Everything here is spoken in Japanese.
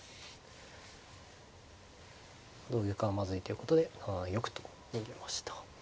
同玉はまずいということで７七玉と逃げました。